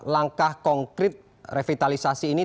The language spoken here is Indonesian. langkah konkret revitalisasi ini